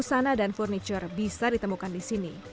busana dan furniture bisa ditemukan di sini